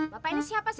bapak ini siapa sih